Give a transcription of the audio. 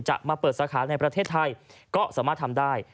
จะมาเปิดสาขาในประเทศไทยก็สามารถทำได้